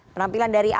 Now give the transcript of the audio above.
penampilan dari komisi